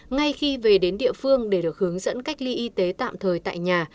ngay khi về đến địa phương để được hướng dẫn cách ly y tế tạm thời tại nhà